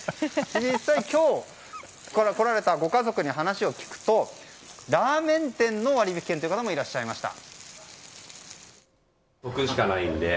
実際、今日来られたご家族に話を聞くとラーメン店の割引券という方もいらっしゃいました。